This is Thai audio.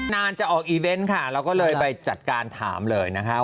นานจะออกอีเวนต์ค่ะเราก็เลยไปจัดการถามเลยนะคะ